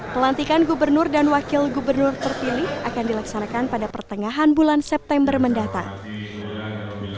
pelantikan gubernur dan wakil gubernur terpilih akan dilaksanakan pada pertengahan bulan september mendatang